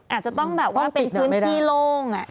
อาจจะต้องแบบว่าเป็นพื้นที่โล่ง